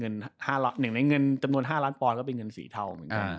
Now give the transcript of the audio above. อย่างในเงินจำนวน๕ล้านปอนด์ก็เป็นเงิน๔เท่า